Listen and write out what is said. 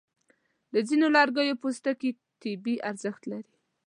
د ځینو لرګیو پوستکي طبي ارزښت لري.